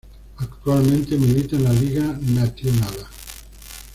Actualmente milita en la Liga Națională.